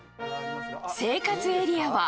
生活エリアは。